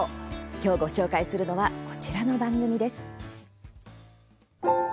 今日ご紹介するのはこちらの番組です。